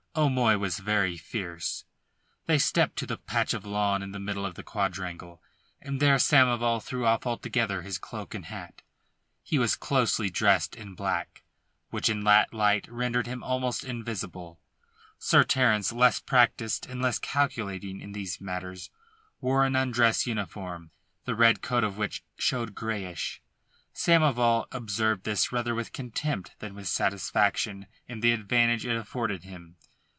O'Moy was very fierce. They stepped to the patch of lawn in the middle of the quadrangle, and there Samoval threw off altogether his cloak and hat. He was closely dressed in black, which in that light rendered him almost invisible. Sir Terence, less practised and less calculating in these matters, wore an undress uniform, the red coat of which showed greyish. Samoval observed this rather with contempt than with satisfaction in the advantage it afforded him.